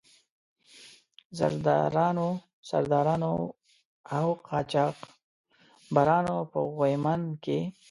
زردارانو، سردارانو او قاچاق برانو په غويمند کې.